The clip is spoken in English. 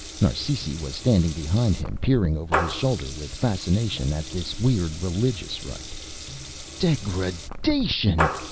Narsisi was standing behind him, peering over his shoulder with fascination at this weird religious rite. "Degradation!"